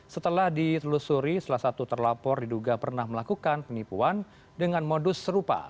setelah ditelusuri salah satu terlapor diduga pernah melakukan penipuan dengan modus serupa